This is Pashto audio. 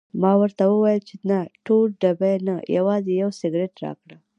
ما ورته وویل چې نه ټول ډبې نه، یوازې یو سګرټ راکړه.